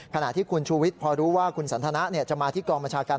ขณะที่คุณชูวิทย์พอรู้ว่าคุณสันทนะจะมาที่กองบัญชาการ